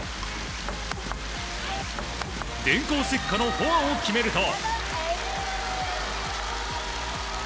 電光石火のフォアを決めると。